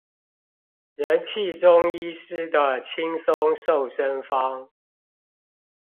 人氣中醫師的輕鬆瘦身方